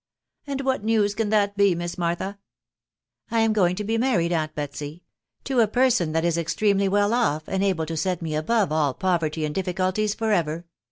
*9 " And what news can that be, Miss Martha ?"" I am going to be married, aunt Betsy, to a person that is extremely well off, and able to set me above all poverty and difficulties for ever